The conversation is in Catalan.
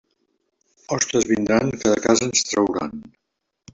Hostes vindran que de casa ens trauran.